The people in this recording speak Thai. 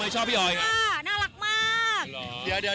ชอบพี่ออยเหรอคะน่ารักมาก